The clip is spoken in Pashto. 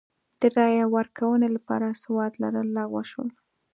د رایې ورکونې لپاره سواد لرل لغوه شول.